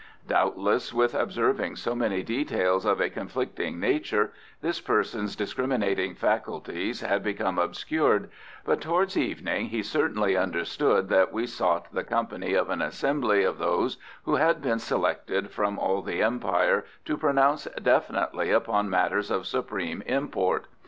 Doubtless, with observing so many details of a conflicting nature, this person's discriminating faculties had become obscured, but towards evening he certainly understood that we sought the company of an assembly of those who had been selected from all the Empire to pronounce definitely upon matters of supreme import.